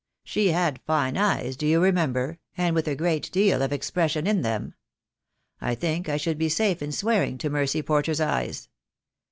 She had fine eyes, do you remember, and with a great deal of expression in them. I think I should be safe in swearing to Mercy Porter's eyes."